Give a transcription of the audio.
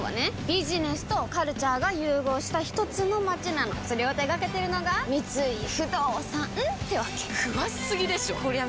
ビジネスとカルチャーが融合したひとつの街なのそれを手掛けてるのが三井不動産ってわけ詳しすぎでしょこりゃ